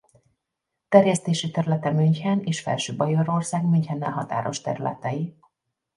Terjesztési területe München és Felső-Bajorország Münchennel határos területei.